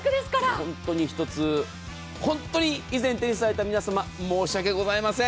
本当にひとつ、以前手にされた皆さん申し訳ございません。